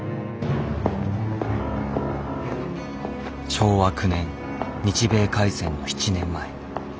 昭和９年日米開戦の７年前。